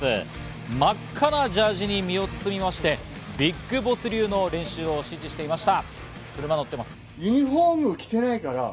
真っ赤なジャージーに身を包みましてビッグボス流の練習を指示していました。